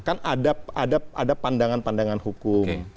kan ada pandangan pandangan hukum